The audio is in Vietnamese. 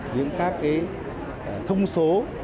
những các thông số